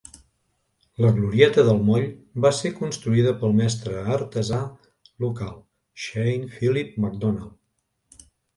La glorieta del moll va ser construïda pel mestre artesà local Shane Phillip MacDonald.